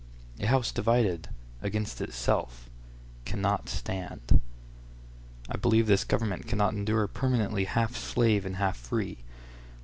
"A house divided against itself can not stand." I believe this government can not endure permanently half slave and half free.